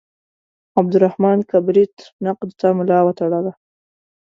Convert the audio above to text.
عبدالرحمان کبریت نقد ته ملا وتړله.